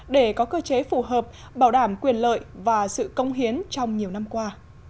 để có cơ chế phù hợp bảo đảm quyền lợi và sự công hiến trong nhiều năm qua